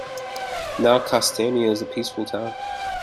Now Kastania is a peaceful town.